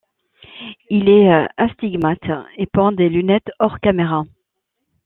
Il est astigmate et porte des lunettes hors caméra.